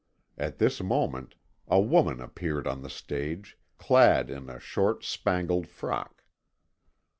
At this moment, a woman appeared on the stage, clad in a short spangled frock.